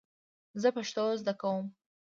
زه پښتو زده کوم